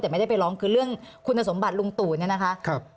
แต่ไม่ได้ไปร้องคือเรื่องคุณสมบัติลุงตู่เนี่ยนะคะ